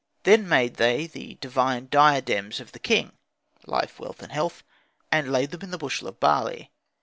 Then made they the divine diadems of the king (life, wealth, and health), and laid them in the bushel of barley.